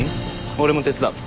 俺も手伝う。